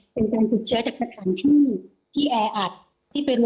เป็นการติดเชื้อจากสถานที่